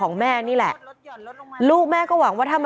ก็เป็นสถานที่ตั้งมาเพลงกุศลศพให้กับน้องหยอดนะคะ